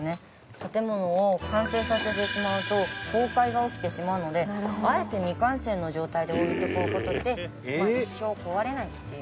建物を完成させてしまうと崩壊が起きてしまうのであえて未完成の状態で置いておく事で一生壊れないという。